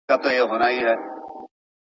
ستا غمونه سر خوړلي څومره زيات دي